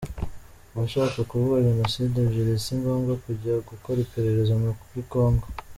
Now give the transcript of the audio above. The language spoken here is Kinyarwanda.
Uwashaka kuvuga jenoside ebyiri, si ngombwa kujya gukora iperereza muri Kongo.